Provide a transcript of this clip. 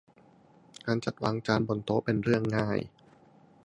การจัดวางจานบนโต๊ะเป็นเรื่องง่าย